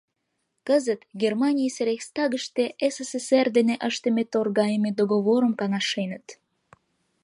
Кызыт Германийысе рейхстагыште СССР дене ыштыме торгайыме договорым каҥашеныт.